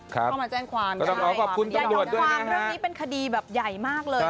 เข้ามาแจ้งความใช่อย่ายอมความเรื่องนี้เป็นคดีแบบใหญ่มากเลย